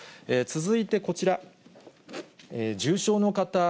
続いてこちら、重症の方